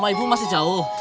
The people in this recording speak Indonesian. rumah ibu masih jauh